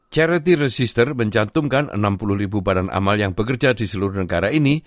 charity resistor mencantumkan enam puluh ribu badan amal yang bekerja di seluruh negara ini